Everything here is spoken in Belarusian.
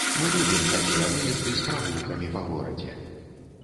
Мы любім такія выезды з прагулкамі па горадзе.